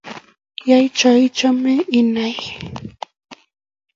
Yai cho ichome nea